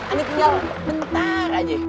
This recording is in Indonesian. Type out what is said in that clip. ani tinggal bentar aja